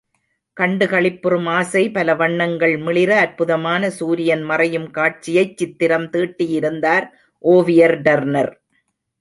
கண்டு களிப்புறும் ஆசை பல வண்ணங்கள் மிளிர, அற்புதமான, சூரியன் மறையும் காட்சியைச் சித்திரம் தீட்டியிருந்தார் ஓவியர் டர்னர்.